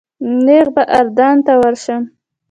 نیغ به اردن ته ورشم.